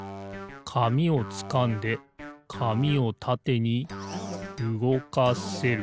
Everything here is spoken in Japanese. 紙をつかんで紙をたてにうごかせる。